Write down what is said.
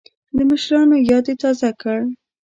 د مشرانو یاد یې تازه کړ.